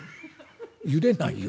「ゆでないよ